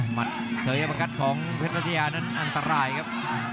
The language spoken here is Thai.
หมัดเสียบังกัดของเฉียบคมนั้นอันตรายครับ